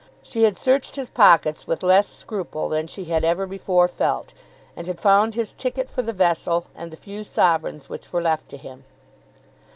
She had searched his pockets with less scruple than she had ever before felt, and had found his ticket for the vessel and the few sovereigns which were left to him.